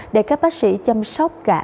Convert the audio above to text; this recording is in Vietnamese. để các bác sĩ chăm sóc cả